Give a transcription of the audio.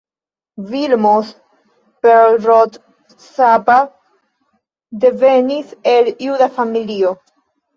Vilmos Perlrott-Csaba devenis el juda familio.